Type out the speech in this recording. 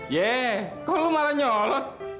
yeh kok lu malah nyolot